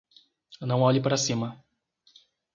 Não olhe para cima